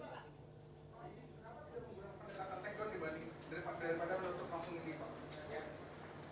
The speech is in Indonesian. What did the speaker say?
daripada meletup langsung di bali